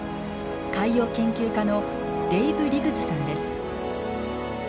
海洋研究家のデイブ・リグズさんです。